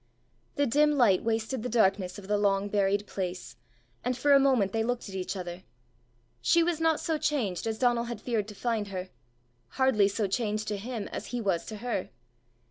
The dim light wasted the darkness of the long buried place, and for a moment they looked at each other. She was not so changed as Donal had feared to find her hardly so changed to him as he was to her.